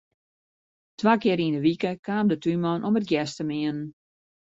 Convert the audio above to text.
Twa kear yn 'e wike kaam de túnman om it gjers te meanen.